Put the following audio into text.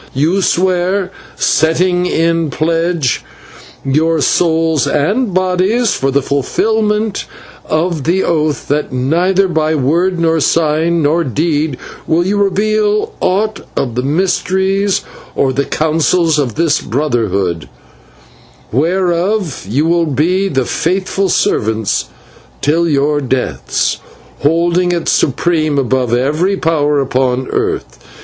You swear, setting in pledge your souls and bodies for the fulfilment of the oath, that neither by word nor sign nor deed will you reveal aught of the mysteries or the councils of this Brotherhood, whereof you will be the faithful servants till your deaths, holding it supreme above every power upon earth.